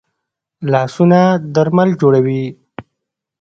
لاسونه درمل جوړوي